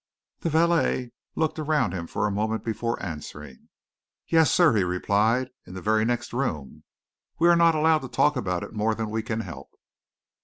The valet looked around him for a moment before answering. "Yes, sir!" he replied. "In the very next room. We are not allowed to talk about it more than we can help."